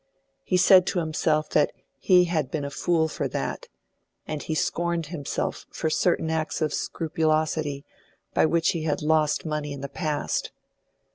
He said to himself that he had been a fool for that; and he scorned himself for certain acts of scrupulosity by which he had lost money in the past.